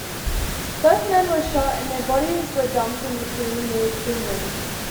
Both men were shot and their bodies were dumped in the sea near Binion.